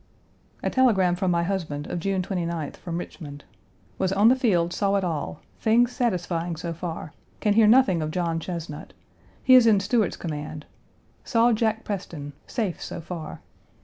A telegram from my husband of June 29th from Richmond: "Was on the field, saw it all. Things satisfying so far. Can hear nothing of John Chesnut. He is in Stuart's command. Saw Jack Preston; safe so far.